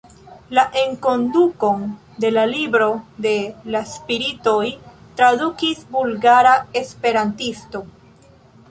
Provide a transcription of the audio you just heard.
La enkondukon de La Libro de la Spiritoj tradukis bulgara esperantisto.